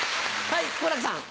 はい。